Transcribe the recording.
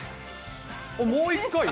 もう１回？